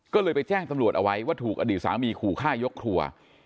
ก็เลยไปแจ้งตำรวจเอาไว้ว่าถูกอดีตสามีขู่ฆ่ายกครัว